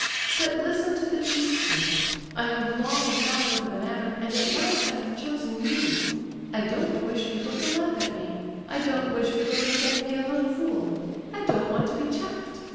But listen to the chief point. I have long thought over the matter, and at last I have chosen you. I don't wish people to laugh at me; I don't wish people to think me a 'little fool.' I don't want to be chaffed.